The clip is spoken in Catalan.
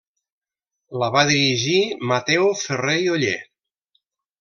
La va dirigir Mateu Ferrer i Oller.